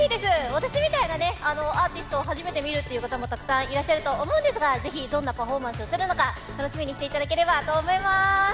私みたいなね、アーティストを初めて見るという方もたくさんいらっしゃると思うんですが、ぜひどんなパフォーマンスをするのか、楽しみにしていただければと思います。